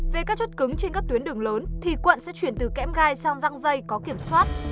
về các chốt cứng trên các tuyến đường lớn thì quận sẽ chuyển từ kẽm gai sang răng dây có kiểm soát